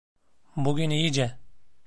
Bugün iyice!